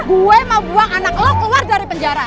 gue mau buang anak lo keluar dari penjara